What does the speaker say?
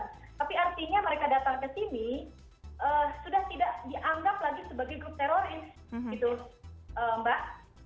tapi artinya mereka datang ke sini sudah tidak dianggap lagi sebagai grup teroris gitu mbak